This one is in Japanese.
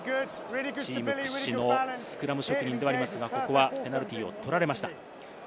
チーム屈指のスクラム職人ではありますが、ここはペナルティーを取られました。